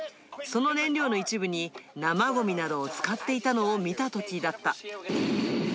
その燃料の一部に、生ごみなどを使っていたのを見たときだった。